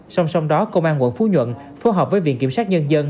song song đó công an quận phú nhuận phối hợp với viện kiểm sát nhân dân